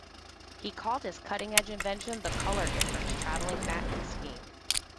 He called his cutting-edge invention the "colour-difference travelling matte scheme".